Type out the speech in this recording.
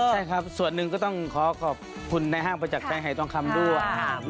ใช่ครับส่วนหนึ่งก็ต้องขอขอบคุณในห้างประจักรชัยหายทองคำด้วย